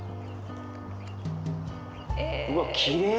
うわっきれい。